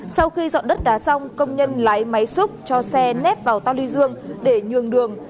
sau khi dọn đất đá xong công nhân lái máy xúc cho xe nép vào tàu lưu dương để nhường đường